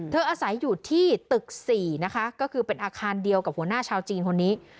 อาศัยอยู่ที่ตึก๔นะคะก็คือเป็นอาคารเดียวกับหัวหน้าชาวจีนคนนี้